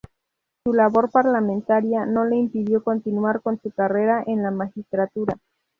Su labor parlamentaria no le impidió continuar con su carrera en la magistratura.